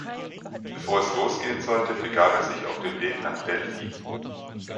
Bevor es losgehen sollte, begab er sich auf den Weg nach Delphi.